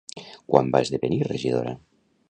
Quan va esdevenir regidora?